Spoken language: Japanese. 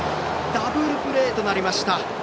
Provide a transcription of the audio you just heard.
ダブルプレーとなりました。